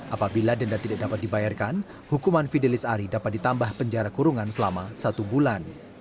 apabila denda tidak dapat dibayarkan hukuman fidelis ari dapat ditambah penjara kurungan selama satu bulan